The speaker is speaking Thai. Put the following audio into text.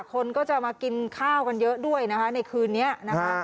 คนก็จะมากินข้าวกันเยอะด้วยนะคะในคืนนี้นะคะ